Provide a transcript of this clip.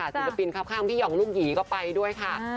ศิลปินครับข้างพี่ห่องลูกหยีก็ไปด้วยค่ะ